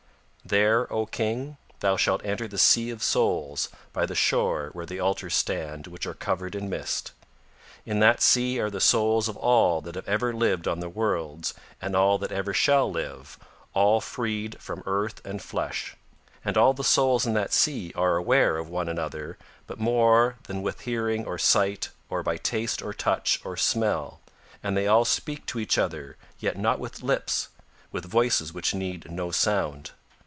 There, O King, thou shalt enter the Sea of Souls by the shore where the altars stand which are covered in mist. In that sea are the souls of all that ever lived on the worlds and all that ever shall live, all freed from earth and flesh. And all the souls in that sea are aware of one another but more than with hearing or sight or by taste or touch or smell, and they all speak to each other yet not with lips, with voices which need no sound.